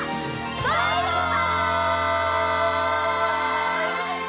バイバイ！